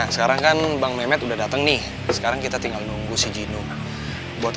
sekarang kan bang med udah dateng nih sekarang kita tinggal nunggu si jino buat